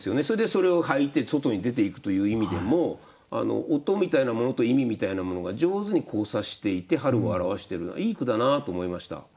それでそれを履いて外に出ていくという意味でも音みたいなものと意味みたいなものが上手に交差していて春を表してるないい句だなあと思いました。